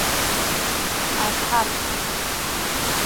از حلق